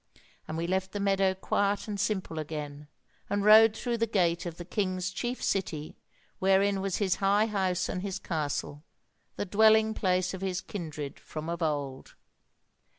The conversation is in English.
And we left the meadow quiet and simple again, and rode through the gate of the king's chief city, wherein was his high house and his castle, the dwelling place of his kindred from of old."